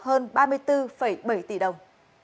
hơn ba mươi bốn bảy tỷ đồng